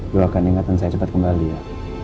doakan ingatan saya cepat kembali ya